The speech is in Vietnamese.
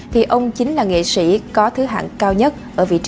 thì ông chính là nghệ sĩ có thứ hạng cao nhất ở vị trí thứ chín